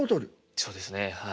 そうですねはい。